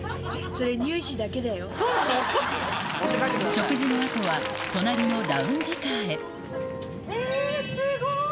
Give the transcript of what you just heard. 食事の後は隣のラウンジカーへえすごい！